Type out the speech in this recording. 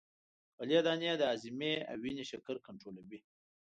غلې دانې د هاضمې او وینې شکر کنترولوي.